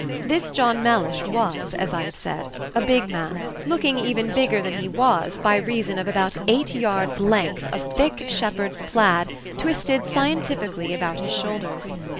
This John Mellish was, as I have said, a big man, looking even bigger than he was by reason of about eight yards length of thick shepherd's plaid twisted scientifically about his shoulders.